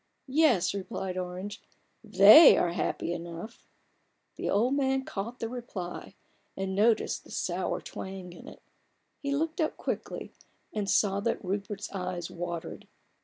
"Yes," replied Orange. "They are happy enough !'* The old man caught the reply, and noticed THE BARGAIN OF RUPERT ORANGE. 13 the sour twang in it. He looked up quickly and saw that Rupert's eyes watered.